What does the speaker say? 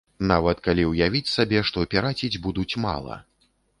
Нават калі ўявіць сабе, што піраціць будуць мала.